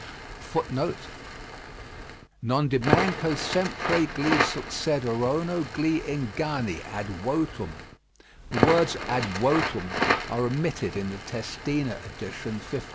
"Nondimanco sempre gli succederono gli inganni (ad votum)." The words "ad votum" are omitted in the Testina addition, 1550.